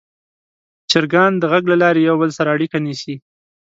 چرګان د غږ له لارې یو بل سره اړیکه نیسي.